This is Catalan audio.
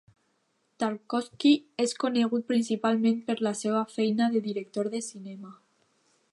Tarkovsky és conegut principalment per la seva feina de director de cinema.